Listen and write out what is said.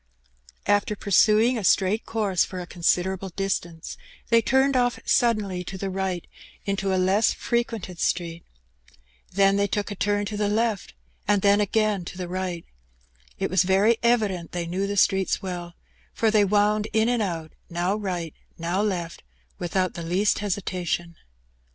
After pursuing a straight course for a considerable distance, they turned oflf suddenly to the right into a less frequented street. Then they took a turn to the left, and then again Two Visits. 65 to the right. It was very evident they knew the streets well, for they wound in and out, now right, now left, without the least hesitation.